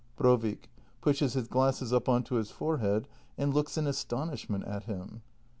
Brovik. [Pushes his glasses up on to his forehead and looks in astonishment at him.